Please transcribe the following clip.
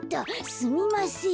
すみません。